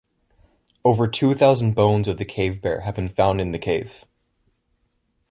Over two thousand bones of the cave bear have been found in the cave.